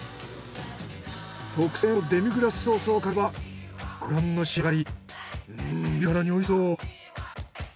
特製のデミグラスソースをかければご覧の仕上がり。